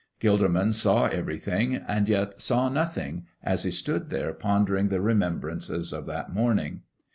Gilderman saw everything and yet saw nothing as he stood there pondering the remembrances of that morning.